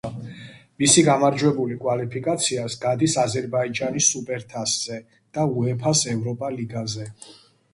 მისი გამარჯვებული კვალიფიკაციას გადის აზერბაიჯანის სუპერთასზე და უეფა-ს ევროპა ლიგაზე.